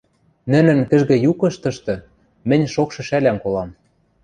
Нӹнӹн кӹжгӹ юкыштышты мӹнь шокшы шӓлӓм колам...